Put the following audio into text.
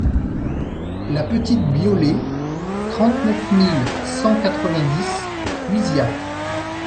La Petite Biolée, trente-neuf mille cent quatre-vingt-dix Cuisia